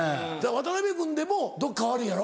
渡君でもどっか悪いんやろ？